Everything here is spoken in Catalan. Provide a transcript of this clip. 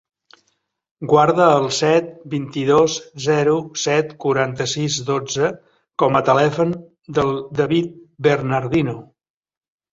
Guarda el set, vint-i-dos, zero, set, quaranta-sis, dotze com a telèfon del David Bernardino.